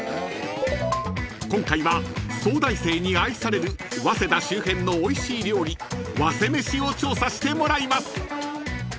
［今回は早大生に愛される早稲田周辺のおいしい料理ワセメシを調査してもらいます］